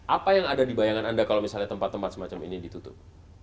apa yang ada di bayangan anda kalau misalnya tempat tempat semacam ini ditutup